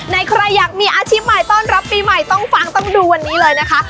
ใครอยากมีอาชีพใหม่ต้อนรับปีใหม่ต้องฟังต้องดูวันนี้เลยนะคะ